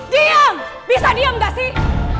diam bisa diam gak sih